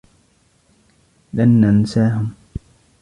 لن ننساهم.